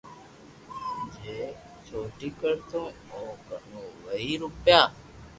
جي چوٽي ڪرتو او ڪنو وھي روپيہ